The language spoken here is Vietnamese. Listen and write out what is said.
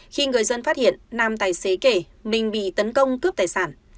khi người dân phát hiện nam tài xế kể mình bị tấn công cướp tài sản